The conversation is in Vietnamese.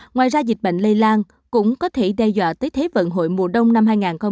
ngoài ra dịch bệnh lây lan cũng có thể đe dọa tới thế vận hội mùa đông năm hai nghìn hai mươi